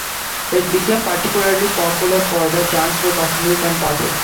It became particularly popular for the transport of milk and parcels.